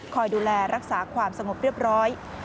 ดูแลรักษาความสงบเรียบร้อย